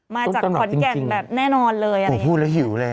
มาจากขอนแก่นแบบแน่นอนเลยอ่ะผมพูดแล้วหิวเลย